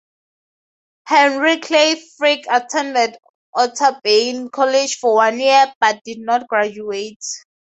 Henry Clay Frick attended Otterbein College for one year, but did not graduate.